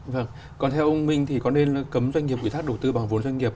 vâng còn theo ông minh thì có nên cấm doanh nghiệp ủy thác đầu tư bằng vốn doanh nghiệp